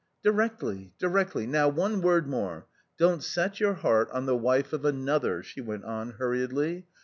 "Directly — directly — now one word more. Don't set y our heart on the wife of anot h er/' she went on hurrie dly.